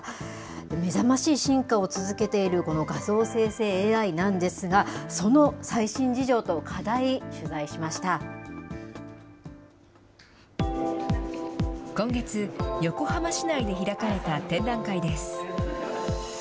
目覚ましい進化を続けているこの画像生成ＡＩなんですが、その最今月、横浜市内で開かれた展覧会です。